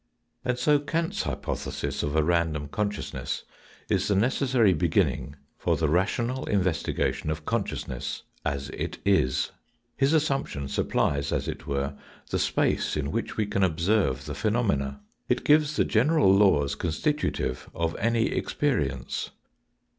And so Kant's hypothesis of a random consciousness is the necessary beginning for the rational investigation of consciousness as it is. His assumption supplies, as it were, the space in which we can observe the pheno mena. It gives the general laws constitutive of any experience.